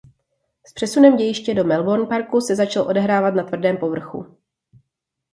S přesunem dějiště do Melbourne Parku se začal odehrávat na tvrdém povrchu.